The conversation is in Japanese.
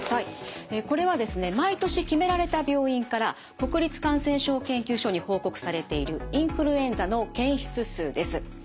これはですね毎年決められた病院から国立感染症研究所に報告されているインフルエンザの検出数です。